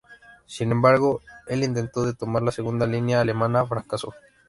Sin embargo, el intento de tomar la segunda línea alemana fracasó.